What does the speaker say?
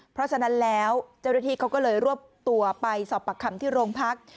เพราะฉะนั้นแล้วเจ้าหน้าที่เขาก็เลยรวบตัวไปสอบปากคำที่โรงพัก